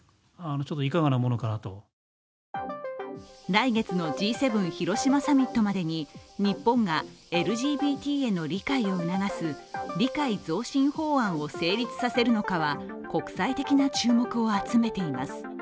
来月のＧ７広島サミットまでに日本がＬＧＢＴへの理解を促す理解増進法案を成立させるのかは国際的な注目を集めています。